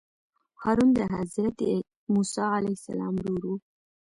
هارون د حضرت موسی علیه السلام ورور وو.